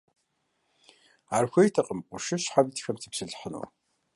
Ар хуейтэкъым къуршыщхьэм итхэм тепсэлъыхьыну.